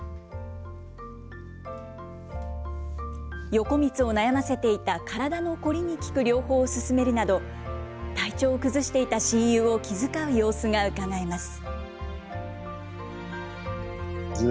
横光を悩ませていた体の凝りに効く療法を勧めるなど、体調を崩していた親友を気遣う様子が伺えます。